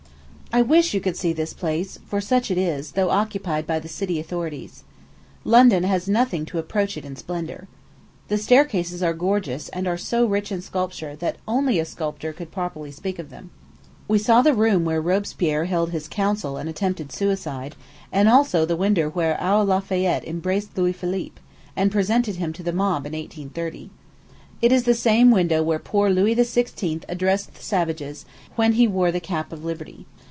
I wish you could see this palace, for such it is, though occupied by the city authorities. London has nothing to approach it in splendor. The staircases are gorgeous, and are so rich in sculpture that only a sculptor could properly speak of them. We saw the room where Robespierre held his council and attempted suicide, and also the window where our Lafayette embraced Louis Philippe, and presented him to the mob in 1830. It is the same window where poor Louis XVI. addressed the savages, when he wore the cap of liberty.